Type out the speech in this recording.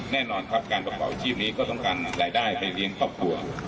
แน่นอนครับการประกอบอาชีพนี้ก็ต้องการรายได้ไปเลี้ยงครอบครัว